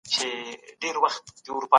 هغوی له خپلو ګاونډيانو سره مرسته وکړه.